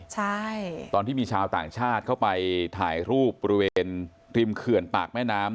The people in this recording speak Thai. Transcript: ใช่ตอนที่มีชาวต่างชาติเข้าไปถ่ายรูปบริเวณริมเขื่อนปากแม่น้ำ